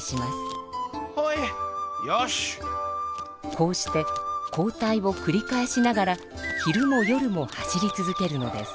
こうして交代をくり返しながら昼も夜も走り続けるのです。